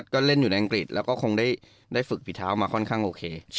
ก็เล่นอยู่ในอังกฤษแล้วก็คงได้ฝึกฝีเท้ามาค่อนข้างโอเค